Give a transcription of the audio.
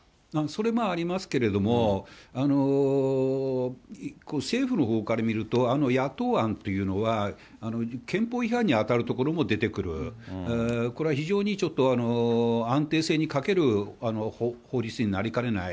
それもありますけれども、政府のほうから見ると、野党案というのは憲法違反に当たるところも出てくる、これは非常にちょっと安定性に欠ける法律になりかねない。